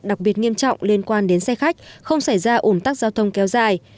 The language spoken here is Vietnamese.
đặc biệt nghiêm trọng liên quan đến xe khách không xảy ra ủn tắc giao thông kéo dài